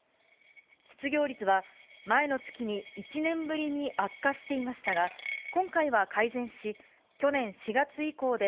失業率は、前の月に１年ぶりに悪化していましたが、今回は改善し、去年４月以降で、